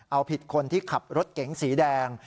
เอาผิดคนที่ขับรถเก๋งสีแดง